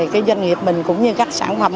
cái doanh nghiệp mình cũng như các sản phẩm